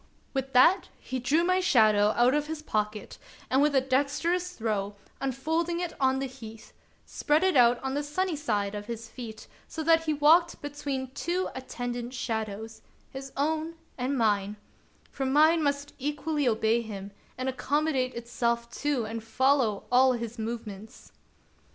With that he drew my shadow out of his pocket, and with a dexterous throw, unfolding it on the heath, spread it out on the sunny side of his feet, so that he walked between two attendant shadows, — his own and mine, — for mine must equally obey him, and accommodate itself to and follow all his movements.